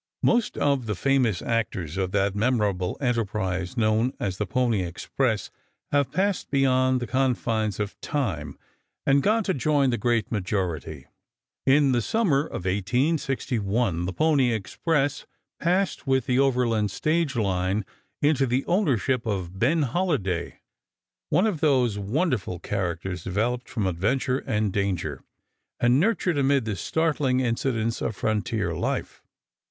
Most of the famous actors in that memorable enterprise known as the Pony Express have passed beyond the confines of time and gone to join the great majority. In the summer of 1861 the Pony Express passed, with the overland stage line, into the ownership of Ben Holliday, one of those wonderful characters developed from adventure and danger, and nurtured amid the startling incidents of frontier life.